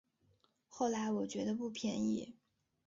后来我觉得不便宜